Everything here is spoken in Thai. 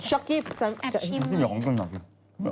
ชอคกี้ยอมซึ่งหรอ